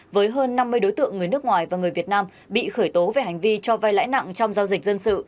với hơn năm mươi đối tượng người nước ngoài và người việt nam bị khởi tố về hành vi cho vai lãi nặng trong giao dịch dân sự